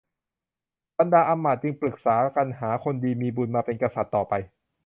บรรดาอำมาตย์จึงปรึกษากันหาคนดีมีบุญมาเป็นกษัตริย์ต่อไป